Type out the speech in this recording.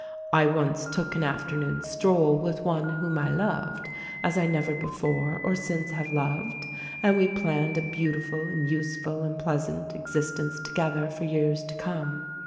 I once took an after noon's stroll with one whom I loved, as I never before or since have loved, and we planned a beautiful and useful and pleasant existence together for years to come.